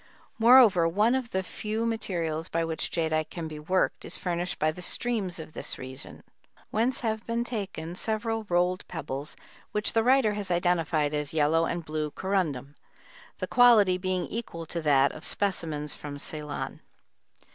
Moreover, one of the few materials by which jadeite can be worked is furnished by the streams of this region, whence have been taken several rolled pebbles which the writer has identified as yellow and blue corundum, the quality being equal to that of specimens from Ceylon.